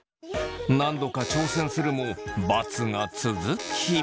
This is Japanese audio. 何度か挑戦するも×が続き。